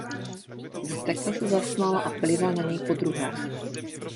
Vztekle se zasmála a plivla na něj po druhé.